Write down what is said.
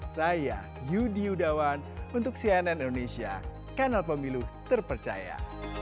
saya yudi yudawan untuk cnn indonesia kanal pemilu terpercaya